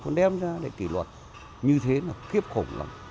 còn đem ra kỷ luật như thế là kiếp khổng lắm